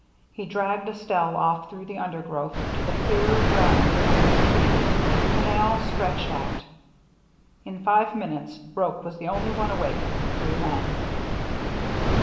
He dragged Estelle off through the undergrowth to the clearer ground under the trees, and they all stretched out. In five minutes Roche was the only one awake of the three men.